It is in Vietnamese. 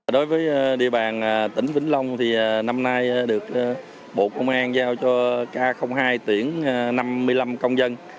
đối với địa bàn tỉnh vĩnh long thì năm nay được bộ công an giao cho k hai tuyển năm mươi năm công dân